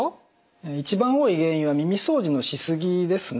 一番多い原因は耳掃除のしすぎですね。